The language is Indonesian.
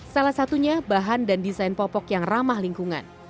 salah satunya bahan dan desain popok yang ramah lingkungan